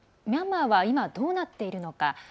ミャンマーは今どうなっているのか。